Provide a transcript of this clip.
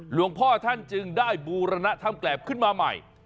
หลวงพ่อท่านจึงได้บูรณธรรมแกรบขึ้นมาใหม่